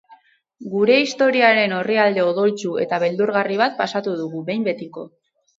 Gure historiaren orrialde odoltsu eta beldurgarri bat pasatu dugu, behin betiko.